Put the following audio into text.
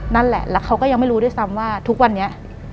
นั่นแหละแล้วเขาก็ยังไม่รู้ด้วยซ้ำว่าทุกวันนี้